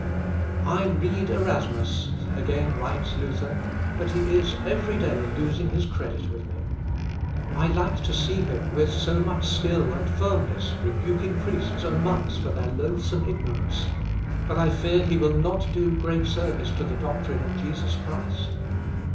"I read Erasmus," again writes Luther, "but he is every day losing his credit with me. I like to see him, with so much skill and firmness, rebuking priests and monks for their loathsome ignorance, but I fear he will not do great service to the doctrine of Jesus Christ.